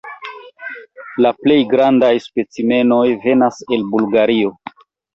La plej grandaj specimenoj venas el Bulgario.